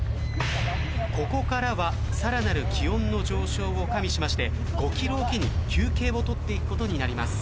ここからはさらなる気温の上昇を加味しまして５ｋｍおきに休憩をとっていくことになります。